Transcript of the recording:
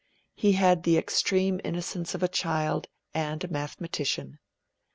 He had the extreme innocence of a child and a mathematician.